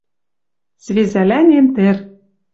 свезӓлӓнен тӹр.